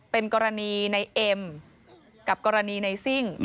เป็นกรณีนายเอ็มกับกรณีนายซิ่ง